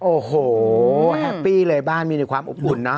โอ้โหแฮปปี้เลยบ้านมีในความอบอุ่นนะ